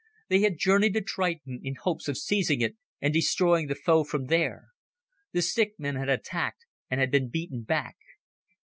They had journeyed to Triton in hopes of seizing it and destroying the foe from there. The stick men had attacked and had been beaten back.